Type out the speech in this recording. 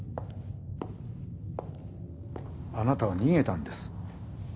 あなたは逃げたんです。